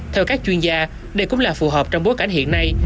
theo các chuyên gia đây cũng là phù hợp trong bối cảnh hiện nay